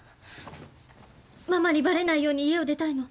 ママにバレないように家を出たいの。